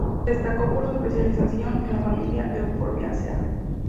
Se destacó por su especialización en la familia Euphorbiaceae.